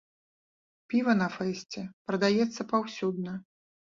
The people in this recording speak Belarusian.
Піва на фэсце прадаецца паўсюдна.